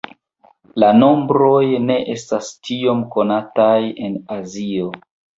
La nombroj ne estas tiom konataj en Azio.